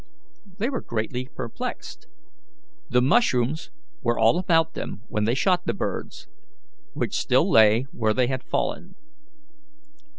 They were greatly perplexed. The mushrooms were all about them when they shot the birds, which still lay where they had fallen.